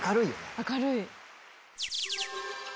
明るい。